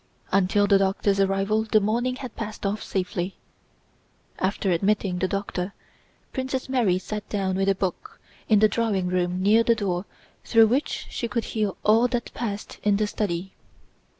Until the doctor's arrival the morning had passed off safely. After admitting the doctor, Princess Mary sat down with a book in the drawing room near the door through which she could hear all that passed in the study.